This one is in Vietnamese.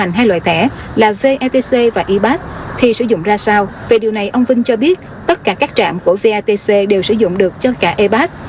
anh vinh cho biết tất cả các trạm của vatc đều sử dụng được cho cả e pass